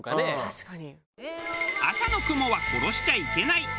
確かに。